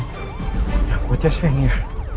ya ampun ya sayangnya